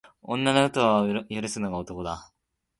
女の嘘は許すのが男だ